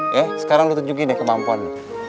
ya sekarang lu tunjukin deh kemampuan lu